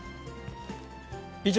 以上、